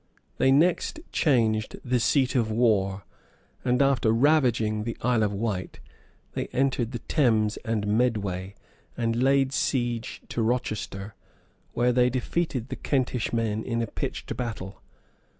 They next changed the seat of war; and after ravaging the Isle of Wight, they entered the Thames and Medway, and laid siege to Rochester, where they defeated the Kentish men in a pitched battle.